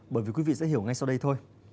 bởi vì quý vị sẽ hiểu ngay sau đây thôi